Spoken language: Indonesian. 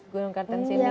gunung kartens ini ya